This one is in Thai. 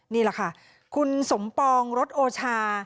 นี่แหละค่ะคุณสมปองรถโอชา